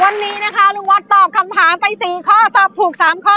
วันนี้นะคะลุงวัดตอบคำถามไป๔ข้อตอบถูก๓ข้อ